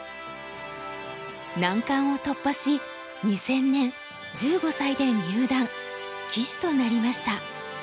難関を突破し２０００年１５歳で入段棋士となりました。